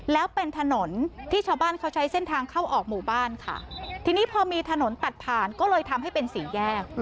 แล้วเป็นถนนที่ชาวบ้านเขาใช้เส้นทางเข้าออกหมู่บ้านค่ะทีนี้พอมีถนนตัดผ่านก็เลยทำให้เป็นสี่แยก